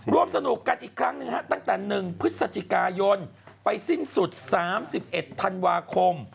ร่วมสนุกกันอีกครั้งหนึ่งตั้งแต่๑พฤศจิกายนไปสิ้นสุด๓๑ธันวาคม